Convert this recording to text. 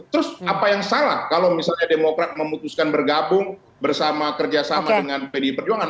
terus apa yang salah kalau misalnya demokrat memutuskan bergabung bersama kerjasama dengan pdi perjuangan